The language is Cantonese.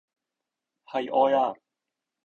係愛呀！